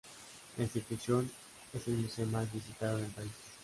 La institución es el museo más visitado en el país.